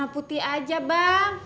warna putih aja bang